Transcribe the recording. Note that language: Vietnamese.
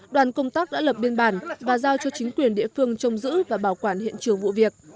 đoàn công tác đã lập biên bản và giao cho chính quyền địa phương trông giữ và bảo quản hiện trường vụ việc